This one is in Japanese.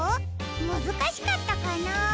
むずかしかったかな？